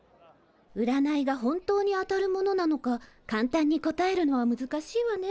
うらないが本当に当たるものなのか簡単に答えるのは難しいわね。